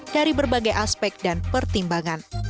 dari berbagai aspek dan pertimbangan